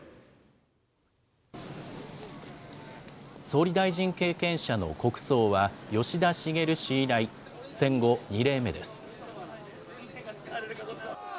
総理大臣経験者の国葬は、吉田茂氏以来、戦後２例目です。